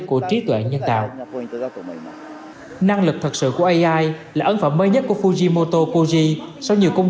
của trí tuệ nhân tạo năng lực thật sự của ai là ấn phẩm mới nhất của fujimoto koji sau nhiều công